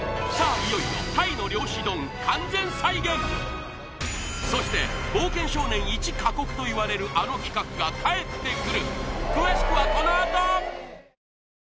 いよいよ鯛の漁師丼完全再現そして冒険少年一過酷といわれるあの企画が帰ってくる！